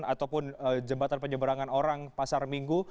ataupun jembatan penyeberangan orang pasar minggu